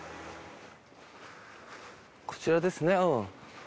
こちらですね。